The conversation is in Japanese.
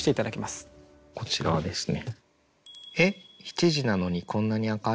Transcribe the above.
こちらですね。